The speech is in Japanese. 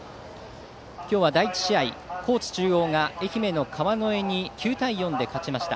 今日は第１試合、高知中央が愛媛の川之江に９対４で勝ちました。